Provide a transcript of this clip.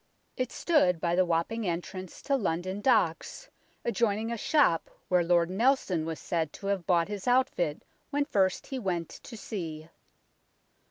It stood by the Wapping entrance to London Docks, adjoining a shop where Lord Nelson was said to have bought his outfit when first he went to sea.